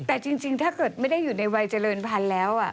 แต่จริงถ้าเกิดไม่ได้อยู่ในวัยเจริญพันธุ์แล้ว